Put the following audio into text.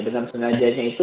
dengan sengajaannya itu